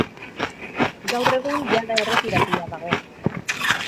Gaur egun jada erretiratua dago.